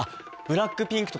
ブラックピンク？